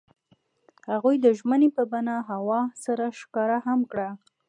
هغوی د ژمنې په بڼه هوا سره ښکاره هم کړه.